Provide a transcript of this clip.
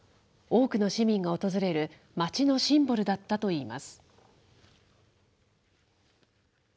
多くの市民が訪れる町のシンボルだったといいます。